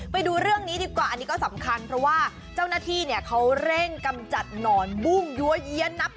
ไปดูเรื่องนี้ดีกว่าอันนี้ก็สำคัญเพราะว่าเจ้าหน้าที่เนี่ยเขาเร่งกำจัดหนอนบุ้งยั้วเยี้ยนนับ